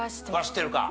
知ってるか。